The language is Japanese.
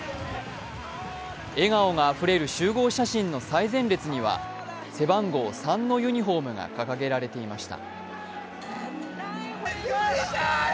笑顔があふれる集合写真の最前列には背番号３のユニフォームが掲げられていました。